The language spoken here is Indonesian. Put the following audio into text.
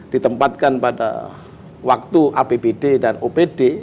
ditempatkan pada waktu apbd dan opd